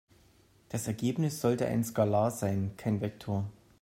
Das Ergebnis sollte ein Skalar sein, kein Vektor.